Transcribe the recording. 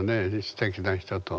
すてきな人と。